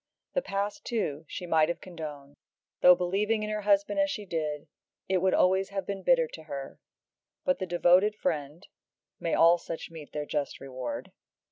The past, too, she might have condoned; though, believing in her husband as she did, it would always have been bitter to her, but the devoted friend may all such meet their just reward!